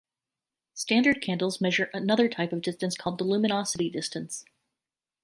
Standard candles measure another type of distance called the luminosity distance.